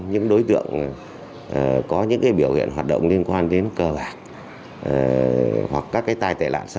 những đối tượng có những biểu hiện hoạt động liên quan đến cơ bản hoặc các cái tai tài lạc xã hội